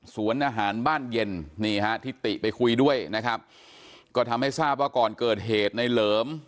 สวนอาหารบ้านเย็นนี่ฮะที่ติไปคุยด้วยนะครับก็ทำให้ทราบว่าก่อนเกิดเหตุในเหลิม